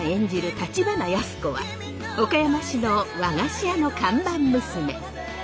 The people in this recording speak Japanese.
橘安子は岡山市の和菓子屋の看板娘。